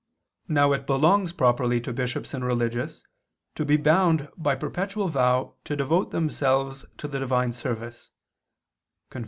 Now it belongs properly to bishops and religious to be bound by perpetual vow to devote themselves to the divine service [*Cf.